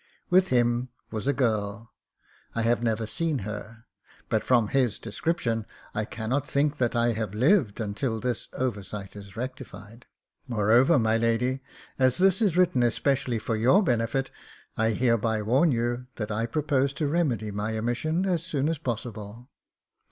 With him was a girl. I have never seen her, but from his description I cannot think that I have lived imtil this oversight is rectified. Moreover, my lady, as this is written especially for your benefit, I hereby warn you that I propose to remedy my omission as soon as possible.